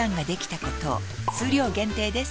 数量限定です